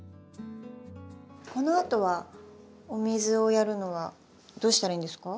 このあとはお水をやるのはどうしたらいいんですか？